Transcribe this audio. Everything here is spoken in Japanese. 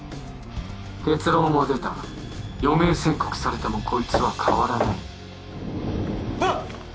結論は出た余命宣告されてもこいつは変わらないわっ！